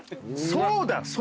そうだ。